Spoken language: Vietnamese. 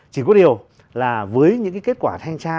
chỉ có điều là với những cái kết quả thanh tra